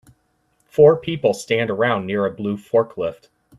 Four people stand around near a blue fork lift.